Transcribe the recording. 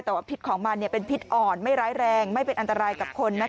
แต่ว่าพิษของมันเป็นพิษอ่อนไม่ร้ายแรงไม่เป็นอันตรายกับคน